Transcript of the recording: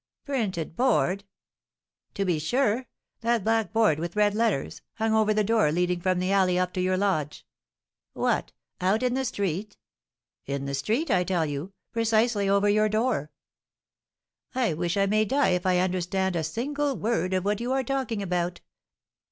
"Printed board!" "To be sure; that black board with red letters, hung over the door leading from the alley up to your lodge." "What, out in the street?" "In the street, I tell you, precisely over your door." "I wish I may die if I understand a single word of what you are talking about!